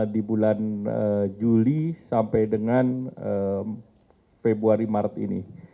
di bulan juli sampai dengan februari maret ini